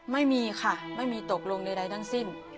ไม่มีค่ะไม่มีตกลงใดทั้งสิ้น